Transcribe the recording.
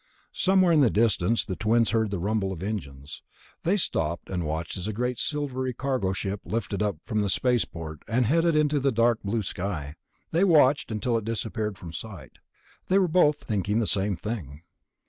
Somewhere in the distance the twins heard the rumble of engines. They stopped and watched as a great silvery cargo ship lifted from the space port and headed up into the dark blue sky. They watched it until it disappeared from sight. They were both thinking the same thing.